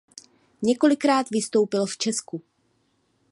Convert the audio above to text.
Několikrát vystoupil v Česku.